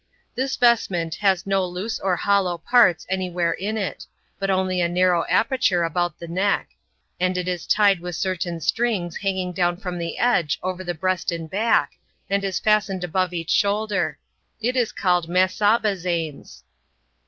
This vestment has no loose or hollow parts any where in it, but only a narrow aperture about the neck; and it is tied with certain strings hanging down from the edge over the breast and back, and is fastened above each shoulder: it is called Massabazanes.